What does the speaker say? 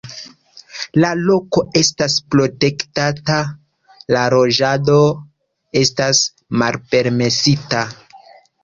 La loko estas protektata, la loĝado estas malpermesita.